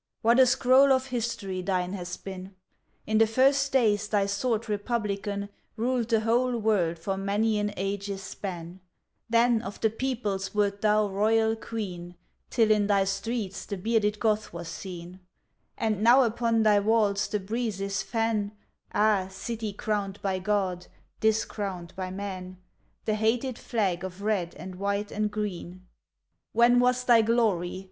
what a scroll of History thine has been; In the first days thy sword republican Ruled the whole world for many an age's span: Then of the peoples wert thou royal Queen, Till in thy streets the bearded Goth was seen; And now upon thy walls the breezes fan (Ah, city crowned by God, discrowned by man!) The hated flag of red and white and green. When was thy glory!